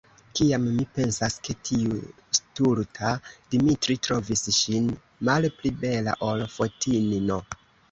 Kiam mi pensas, ke tiu stulta Dimitri trovis ŝin malpli bela, ol Fotini'n!